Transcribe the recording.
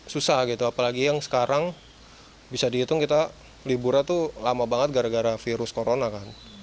susah gitu apalagi yang sekarang bisa dihitung kita liburnya tuh lama banget gara gara virus corona kan